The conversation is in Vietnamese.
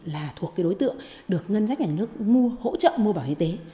là thuộc cái đối tượng được ngân sách nhà nước hỗ trợ mua bảo y tế